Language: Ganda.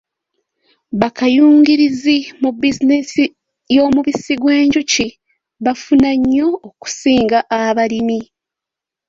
Bakayungirizi mu bizinensi y'omubisi gw'enjuki bafuna nnyo okusinga abalimi.